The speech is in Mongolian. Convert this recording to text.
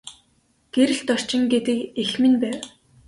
Гэрэлт орчлон гэдэг эх минь байв.